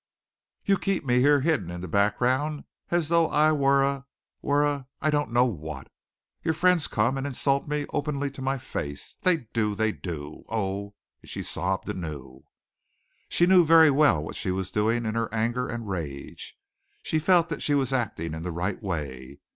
You keep me here hidden in the background as though I were a were a I don't know what! Your friends come and insult me openly to my face. They do! They do! Oh!" and she sobbed anew. She knew very well what she was doing in her anger and rage. She felt that she was acting in the right way.